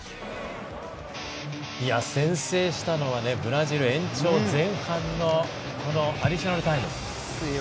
先制したのはブラジル延長前半のアディショナルタイム。